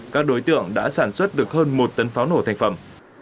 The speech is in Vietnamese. các đối tượng đã sản xuất được hơn một tấn pháo nổ thành phẩm